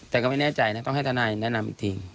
แต่ก็ไม่แน่ใจนะต้องให้ทนายแนะนำอีกที